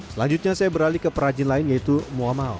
selanjutnya saya beralih ke perrajin lain yaitu muhammad